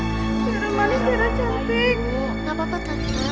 berg injilin facebook nya gw ga cabar deh